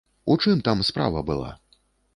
У чым там справа была?